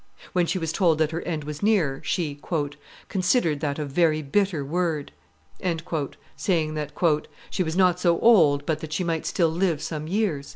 When she was told that her end was near, she "considered that a very bitter word," saying that "she was not so old but that she might still live some years."